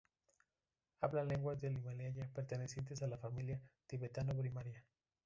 Hablan lenguas del Himalaya pertenecientes a la familia tibetano-birmana.